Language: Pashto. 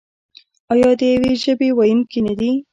آیا د یوې ژبې ویونکي نه دي؟